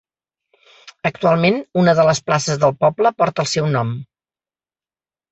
Actualment, una de les places del poble porta el seu nom.